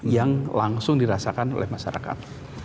yang langsung dirasakan oleh masyarakat